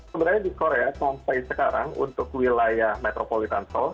sebenarnya di korea sampai sekarang untuk wilayah metropolitana